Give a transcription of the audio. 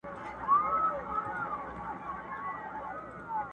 شیرینی به یې لا هم ورته راوړلې،